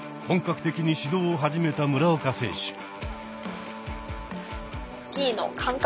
本格的に始動を始めた村岡選手。